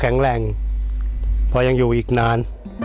แข็งแรงพอยังอยู่อีกนาน